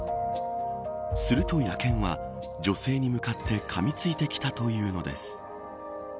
すると野犬は、女性に向かってかみついてきたというのです。